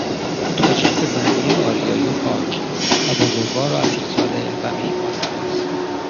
تاجیک به معنی آریایی و پاک و بزرگوار و اصیلزاده و میهماننواز